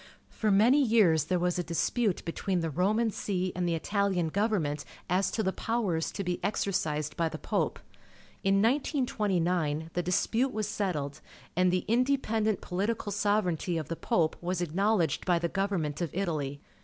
For many years there was a dispute between the Roman See and the Itahan government as to the powers to be exercised by the Pope. In 1929, the dispute was settled, and the independent political sovereignty of the Pope was ac knowledged by the government of Italy.